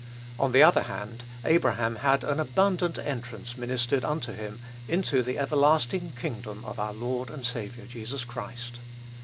On the other hand, Abraham had "an abundant entrance ministered unto him into the everlasting kingdom of our Lord and Saviour Jesus Christ."